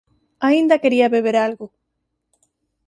Aínda quería beber algo…